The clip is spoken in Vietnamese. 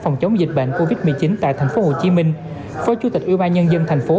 phòng chống dịch bệnh covid một mươi chín tại tp hcm phó chủ tịch ủy ban nhân dân thành phố